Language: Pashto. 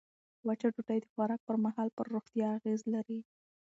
وچه ډوډۍ د خوراک پر مهال پر روغتیا اغېز لري.